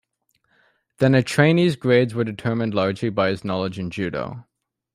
Then a trainee's grades were determined largely by his knowledge in judo.